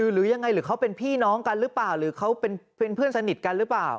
หรือยังไงหรือเขาเป็นพี่น้องกันหรือเปล่าหรือเขาเป็นเพื่อนสนิทกันหรือเปล่า